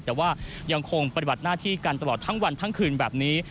แต่ว่ายังคงปฏิบัติหน้าที่กันตลอดทั้งวันทั้งคืนแบบนี้